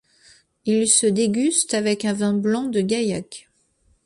Il se déguste avec un vin blanc de gaillac.